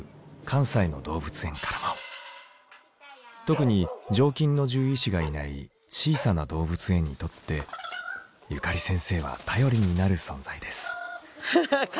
特に常勤の獣医師がいない小さな動物園にとってゆかり先生は頼りになる存在です。